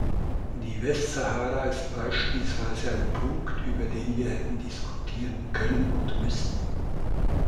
Die Westsahara ist beispielsweise ein Punkt, über den wir hätten diskutieren können und müssen.